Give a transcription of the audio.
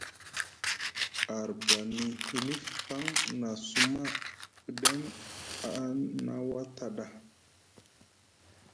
Arbani hilif paŋ, nʼa suma pɗem a na wata ɗa?